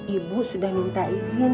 ibu sudah minta izin